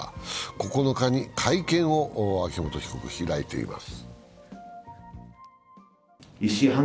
９日に会見を秋元被告、開いています。